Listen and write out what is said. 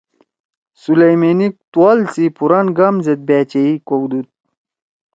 سلیمینک توال سی پران گام زید بأچئی کؤدُود۔